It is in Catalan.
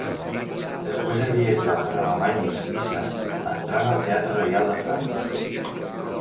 Després de viatjar per Alemanya i Suïssa, entrà en el teatre Reial de Frankfurt.